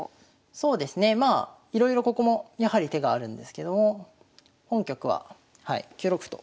そうですねまあいろいろここもやはり手があるんですけども本局ははい９六歩と。